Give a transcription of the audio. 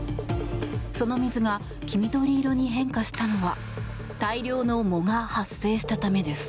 その水が黄緑色に変化したのは大量の藻が発生したためです。